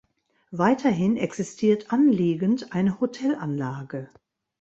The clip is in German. Weiterhin existiert anliegend eine Hotelanlage.